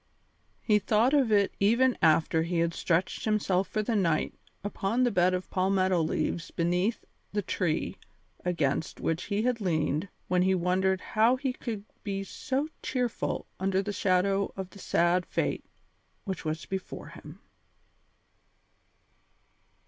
He thought of it even after he had stretched himself for the night upon the bed of palmetto leaves beneath the tree against which he had leaned when he wondered how he could be so cheerful under the shadow of the sad fate which was before him.